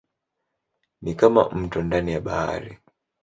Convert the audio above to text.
Ni kama mto ndani ya bahari.